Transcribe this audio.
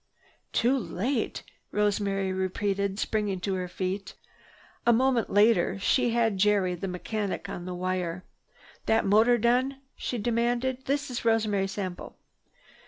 "Too late?" Rosemary repeated, springing to her feet. A moment later she had Jerry, the mechanic, on the wire: "That motor done?" she demanded. "This is Rosemary Sample."